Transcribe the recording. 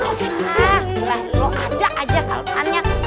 ah lah lo ada aja kalpannya